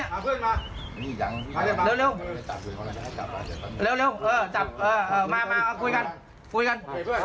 เร็วเร็วเร็วเออเออมามาคุยกัน